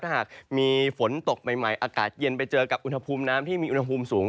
ถ้าหากมีฝนตกใหม่อากาศเย็นไปเจอกับอุณหภูมิน้ำที่มีอุณหภูมิสูง